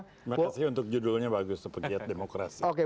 terima kasih untuk judulnya bagus untuk pegiat demokrasi